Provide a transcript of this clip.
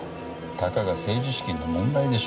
たかが政治資金の問題でしょう。